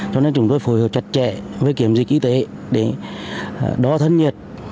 cho nên chúng tôi phù hợp chặt chẽ với kiểm dịch y tế để đo thần nhiệt